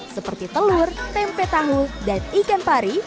seperti telur tempe tahu dan ikan pari